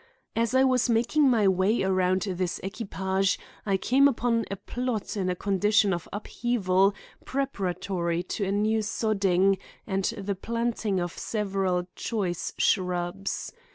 As I was making my way around this equipage I came upon a plot in a condition of upheaval preparatory to new sodding and the planting of several choice shrubs.